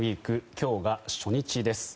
今日が初日です。